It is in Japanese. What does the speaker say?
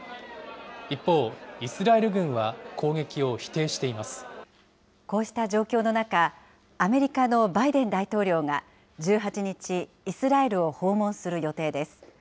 一方、イスラエル軍は攻撃を否定こうした状況の中、アメリカのバイデン大統領が１８日、イスラエルを訪問する予定です。